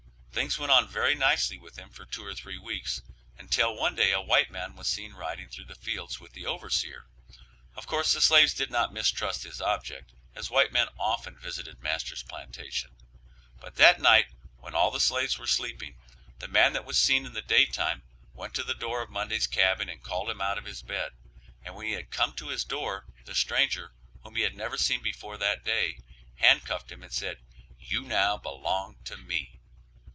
Things went on very nicely with him for two or three weeks, until one day a white man was seen riding through the fields with the overseer; of course the slaves did not mistrust his object, as white men often visited master's plantation, but that night, when all the slaves were sleeping, the man that was seen in the daytime went to the door of Monday's cabin and called him out of his bed, and when he had come to his door, the stranger, whom he had never seen before that day, handcuffed him and said, "You now belong to me."